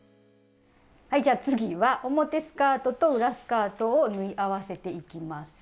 はいじゃあ次は表スカートと裏スカートを縫い合わせていきます。